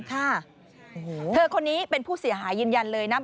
เธอคนนี้เป็นผู้เสียหายยืนยันเลยนะ